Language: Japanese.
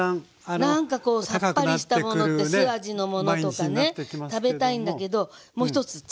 そうなんかこうさっぱりしたものって酢味のものとかね食べたいんだけどもう一つ知恵。